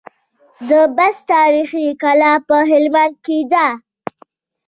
د بست تاريخي کلا په هلمند کي ده